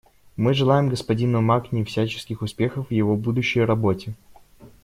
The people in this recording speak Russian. Мы желаем господину Макни всяческих успехов в его будущей работе.